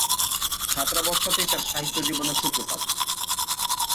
ছাত্রাবস্থাতেই তার সাহিত্য জীবনের সূত্রপাত।